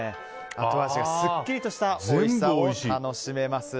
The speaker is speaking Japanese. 後味にすっきりとしたおいしさを楽しめます。